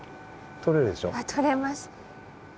とれます。